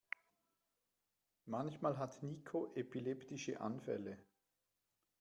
Manchmal hat Niko epileptische Anfälle.